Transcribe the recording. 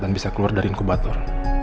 dan bisa keluar dari inkubator